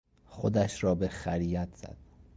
خودش را به خریت زد.